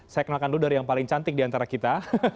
saya kenalkan dulu dari yang paling cantik diantara kita